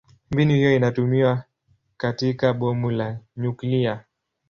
Mbinu hiyo inatumiwa katika bomu la nyuklia.